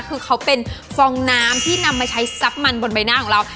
คือเขาเป็นฟองน้ำที่นำมาใช้ซับมันบนใบหน้าของเรา